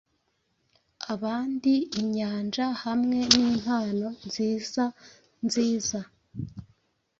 Abandi inyanja hamwe nimpano nzizanziza